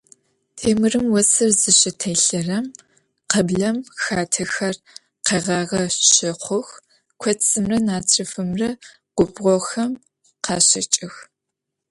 Têmırım vosır zışıtêlhırem, khıblem xatexer kheğağe şexhux, kotsımre natrıfımre gubğoxem khaşeç'ıx.